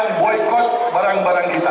negara asing akan boykot barang barang kita